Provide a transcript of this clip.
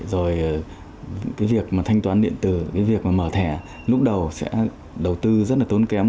rồi cái việc mà thanh toán điện tử cái việc mà mở thẻ lúc đầu sẽ đầu tư rất là tốn kém